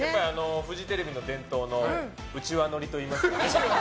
フジテレビの伝統の内輪ノリといいますかね。